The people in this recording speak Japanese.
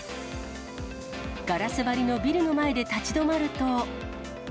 ガラス張りのビルの前で立ち止まると。